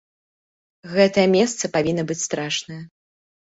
Гэтае месца павінна быць страшнае.